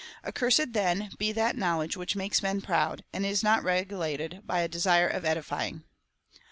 Accursed, then, be that knowledge which makes men proud, and is not regulated by a desire of edifying."